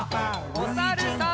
おさるさん。